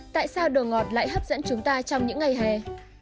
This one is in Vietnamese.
tại sao đồ ngọt lại hấp dẫn chúng ta trong những ngày hè